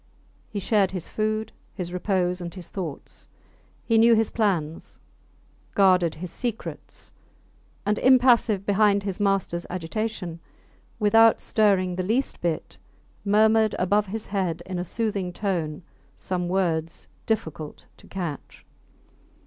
He shared his food, his repose, and his thoughts; he knew his plans, guarded his secrets; and, impassive behind his masters agitation, without stirring the least bit, murmured above his head in a soothing tone some words difficult to catch.